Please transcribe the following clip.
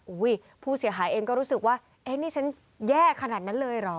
ผู้เสียหายเองก็รู้สึกว่าเอ๊ะนี่ฉันแย่ขนาดนั้นเลยเหรอ